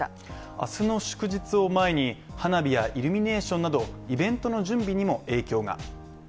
明日の祝日を前に、花火やイルミネーションなど、イベントの準備にも影響が。